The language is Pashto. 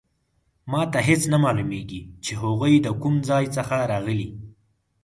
ما ته هیڅ نه معلومیږي چې هغوی د کوم ځای څخه راغلي